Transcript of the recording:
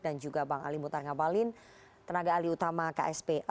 dan juga bang ali muntar ngabalin tenaga alih utama ksp